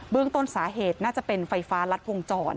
ต้นสาเหตุน่าจะเป็นไฟฟ้ารัดวงจร